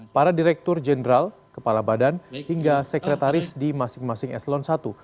para direktur jenderal kepala badan hingga sekretaris di masing masing eselon i